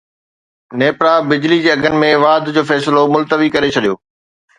نيپرا بجلي جي اگهن ۾ واڌ جو فيصلو ملتوي ڪري ڇڏيو